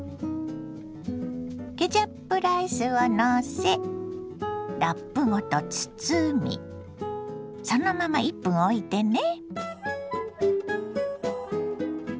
ケチャップライスをのせラップごと包みそのまま１分おいてね。